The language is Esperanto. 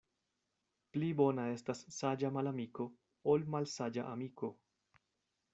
Pli bona estas saĝa malamiko, ol malsaĝa amiko.